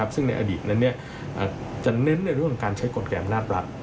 ซึ่งในอดีตนั้นจะเน้นในเรื่องการใช้กลไกอำนาจรัฐ